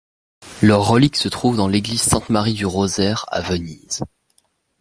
Leurs reliques se trouvent dans l'église Sainte-Marie du Rosaire à Venise.